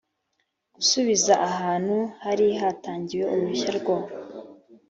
gusubiza ahantu hari hatangiwe uruhushya rwo